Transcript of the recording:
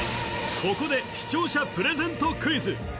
ここで視聴者プレゼントクイズ